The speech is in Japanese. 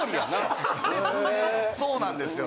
そうなんですよ。